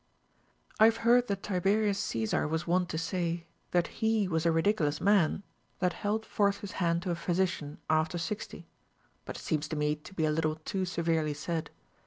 26. I have heard that Tiberius Caesar was wont to say, that he Avas a ridiculous man that held forth his hand to a physician after sixty. But it seems to me to be a little too severely said.